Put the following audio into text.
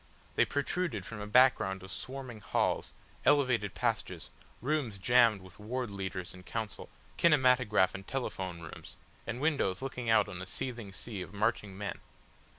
They protruded from a background of swarming halls, elevated passages, rooms jammed with ward leaders in council, kinematograph and telephone rooms, and windows looking out on a seething sea of marching men.